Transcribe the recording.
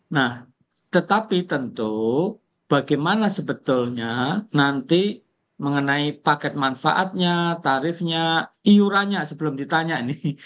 nah tetapi tentu bagaimana sebetulnya nanti mengenai paket manfaatnya tarifnya iurannya sebelum ditanya ini